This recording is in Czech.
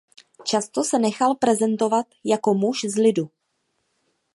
Často se nechal prezentovat jako „muž z lidu“.